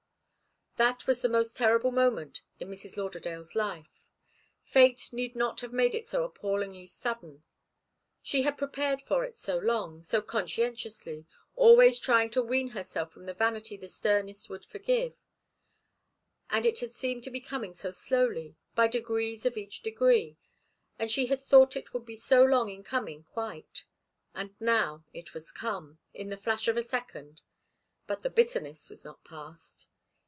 That was the most terrible moment in Mrs. Lauderdale's life. Fate need not have made it so appallingly sudden she had prepared for it so long, so conscientiously, trying always to wean herself from a vanity the sternest would forgive. And it had seemed to be coming so slowly, by degrees of each degree, and she had thought it would be so long in coming quite. And now it was come, in the flash of a second. But the bitterness was not past.